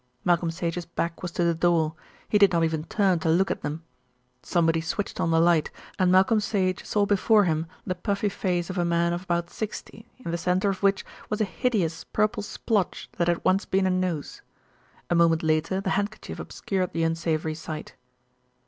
Malcolm Sage's back was to the door. He did not even turn to look at them. Somebody switched on the light, and Malcolm Sage saw before him the puffy face of a man of about sixty, in the centre of which was a hideous purple splotch that had once been a nose. A moment later the handkerchief obscured the unsavoury sight.